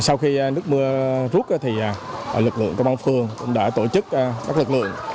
sau khi nước mưa rút lực lượng công an phường cũng đã tổ chức các lực lượng